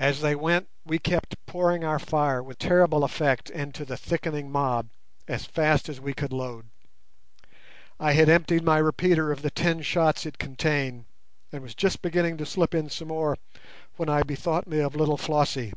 As they went we kept pouring our fire with terrible effect into the thickening mob as fast as we could load. I had emptied my repeater of the ten shots it contained and was just beginning to slip in some more when I bethought me of little Flossie.